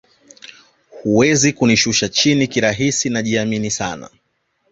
Huwezi kunishusha chini kirahisi najiamini sana